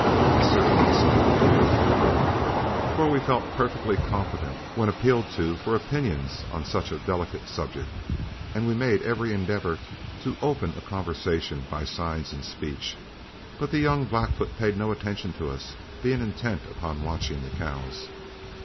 Officer and myself were in a quandary, for we felt perfectly competent when appealed to for our opinions on such a delicate subject, and we made every endeavor to open a conversation by signs and speech. But the young Blackfoot paid no attention to us, being intent upon watching the cows.